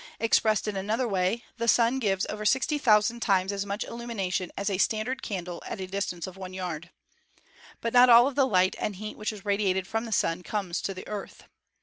Expressed in another way, the Sun gives over 60,000 times as much illumination as a standard candle at a distance of one yard. But not all of the light and heat which is radiated from the Sun comes to the Earth.